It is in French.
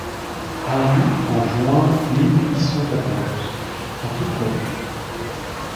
Rendue en juin mil huit cent quatorze, en toutes lettres.